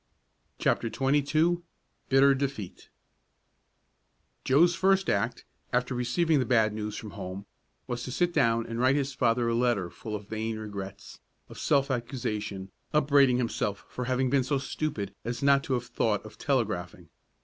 CHAPTER XXII BITTER DEFEAT Joe's first act, after receiving the bad news from home, was to sit down and write his father a letter full of vain regrets, of self accusation, upbraiding himself for having been so stupid as not to have thought of telegraphing.